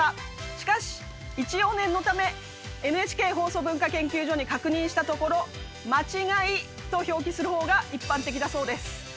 しかし一応念のためＮＨＫ放送文化研究所に確認したところ「間違い」と表記する方が一般的だそうです。